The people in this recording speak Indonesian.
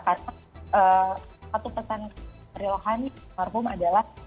karena satu pesan dari rekan rekan yang terhormat adalah